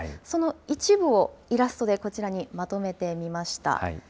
その一部をイラストでこちらにまとめてみました。